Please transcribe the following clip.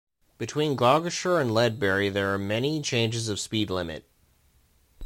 Between Gloucester and Ledbury there are many changes of speed limit.